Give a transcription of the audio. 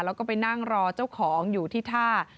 แล้วก็ไปนั่งรอเจ้าของอยู่ที่ท่า